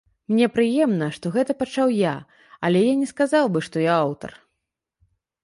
Мне прыемна, што гэта пачаў я, але я не сказаў бы, што я аўтар.